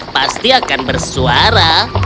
pasti akan bersuara